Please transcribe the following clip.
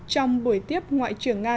trong buổi tiếp ngoại trưởng nga